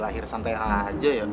lahir santai aja ya